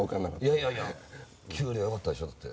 いやいやいや給料よかったでしょ？だって。